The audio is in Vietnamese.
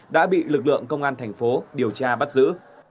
đã bị lực lượng công an thành phố điều tra bắt giữ